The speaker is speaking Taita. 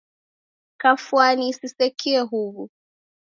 Kafwani sisekie huw'u.